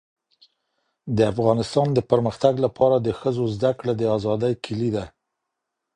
. د افغانستان د پرمختګ لپاره د ښځو زدهکړه د آزادۍ کيلي ده.